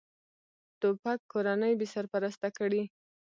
توپک کورنۍ بېسرپرسته کړي.